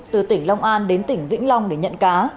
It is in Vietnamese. từ tỉnh long an đến tỉnh vĩnh long để nhận cá